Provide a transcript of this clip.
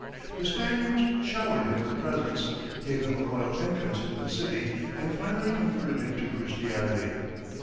The Spaniards showered him with presents, gave him a royal entrance into the city, and finally converted him to Christianity.